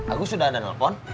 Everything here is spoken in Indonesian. aku sudah ada telepon